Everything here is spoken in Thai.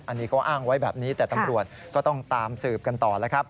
อันนี้ก็อ้างไว้แบบนี้แต่ตำรวจก็ต้องตามสืบกันต่อแล้วครับ